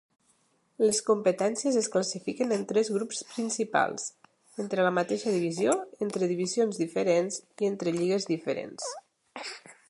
Les competències es classifiquen en tres grups principals: entre la mateixa divisió, entre divisions diferents, i entre lligues diferents.